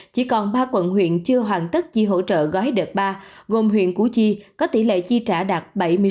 chỉ còn ba quận huyện chưa hoàn tất chi hỗ trợ gói đợt ba gồm huyện củ chi có tỷ lệ chi trả đạt bảy mươi sáu